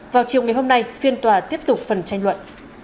vào chiều ngày hôm nay phiên tòa tiếp tục phần tranh luận